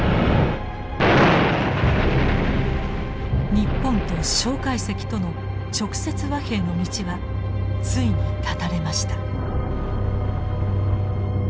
日本と介石との直接和平の道はついに絶たれました。